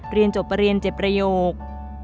เรียนจบประเรียน๗ประโยค